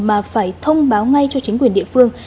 mà phải thông báo ngay cho chính quyền địa phương